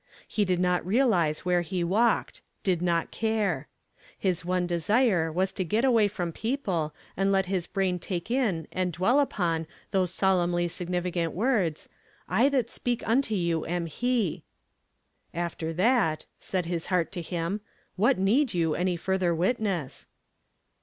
He did not realize where he walked ; did not care. His one desire was to get away from people, and let his brain take in and dwell upon those solemnly significant words : "1 that speak unto you am He !" "After that," said his heart to him, "what need you any further witness